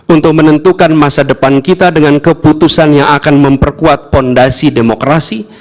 untuk menentukan masa depan kita dengan keputusan yang akan memperkuat fondasi demokrasi